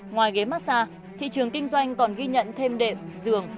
ngoài ghế massage thị trường kinh doanh còn ghi nhận thêm đệm dường